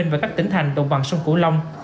và các tỉnh thành đồng bằng sông cửu long